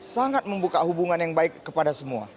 sangat membuka hubungan yang baik kepada semua